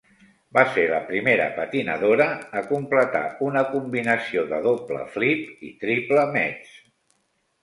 Va ser la primera patinadora a completar una combinació de doble 'flip', triple 'metz'.